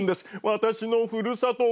私のふるさと